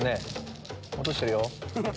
落としてるよ。